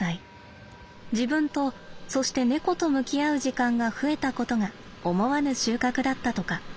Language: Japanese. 自分とそして猫と向き合う時間が増えたことが思わぬ収穫だったとか。